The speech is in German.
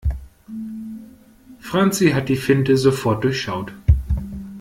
Franzi hat die Finte sofort durchschaut.